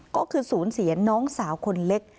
ก็คือศูนย์เสียน้องสาวคนเล็ก